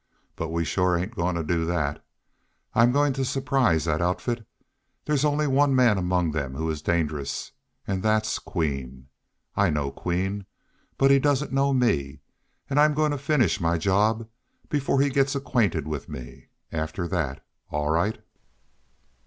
But we shore ain't goin' to do thet. I'm goin' to surprise thet outfit. There's only one man among them who is dangerous, an' thet's Queen. I know Queen. But he doesn't know me. An' I'm goin' to finish my job before he gets acquainted with me. After thet, all right!"